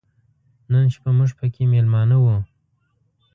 نن شپه موږ پکې مېلمانه و.